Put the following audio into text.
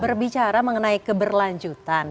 berbicara mengenai keberlanjutan